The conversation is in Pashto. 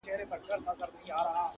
زاړه دودونه نسلونو ته انتقالېږي